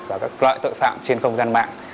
và các loại tội phạm trên công gian mạng